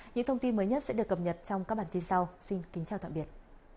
những thông tin mới nhất sẽ được cập nhật trong các bản tin sau xin kính chào tạm biệt